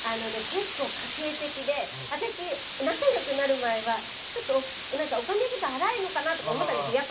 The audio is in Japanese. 結構、家庭的で私、仲良くなる前はちょっとお金遣い荒いのかなとか思ったんですよ。